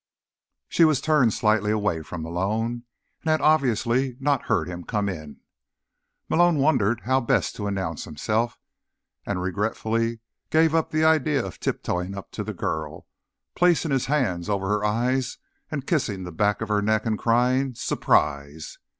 She was turned slightly away from Malone, and had obviously not heard him come in. Malone wondered how best to announce himself, and regretfully gave up the idea of tiptoeing up to the girl, placing his hands over her eyes, kissing the back of her neck and crying: "Surprise!"